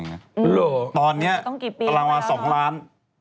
โหต้องกี่ปีแล้วตอนนี้ตารางวา๒ล้าน